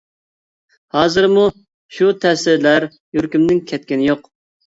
ھازىرمۇ شۇ تەسىرلەر يۈرىكىمدىن كەتكىنى يوق.